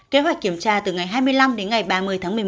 kế hoạch kiểm tra từ ngày hai mươi năm đến ngày ba mươi tháng một mươi một